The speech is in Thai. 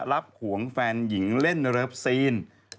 รับห่วงแฟนหญิงเล่นรับซีน